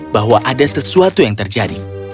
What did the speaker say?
bahwa ada sesuatu yang terjadi